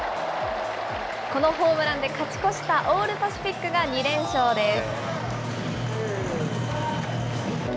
このホームランで勝ち越したオール・パシフィックが２連勝です。